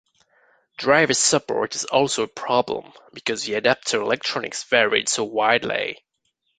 Driver support is also a problem, because the adapter electronics varied so widely.